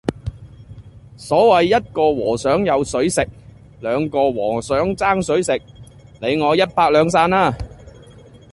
所謂一個和尚有水食，兩個和尚爭水食，你我一拍兩散啦